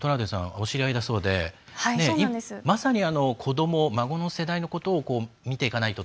お知り合いだそうでまさに子ども、孫の世代のことを見ていかないとと